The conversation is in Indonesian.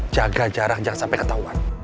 jaga jarak jangan sampai ketahuan